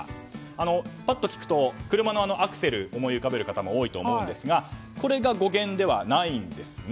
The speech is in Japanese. ぱっと聞くと、車のアクセルを思い浮かべる方も多いと思うんですがこれが語源ではないんですね。